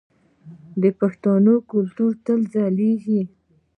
د پښتنو کلتور به تل ځلیږي.